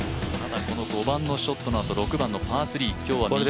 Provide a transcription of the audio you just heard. ５番のショットのあと６番のパー３。